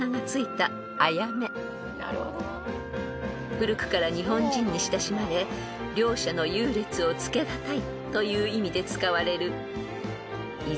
［古くから日本人に親しまれ「両者の優劣をつけがたい」という意味で使われる］